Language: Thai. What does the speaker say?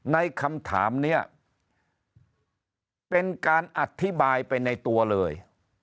ในคำถามนี้เป็นการอธิบายไปในตัวเลย